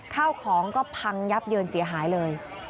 ข้าวของก็พังยับเยินเสียหายเลย